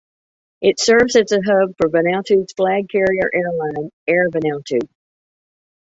It serves as the hub for Vanuatu's flag carrier airline, Air Vanuatu.